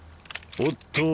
おっと！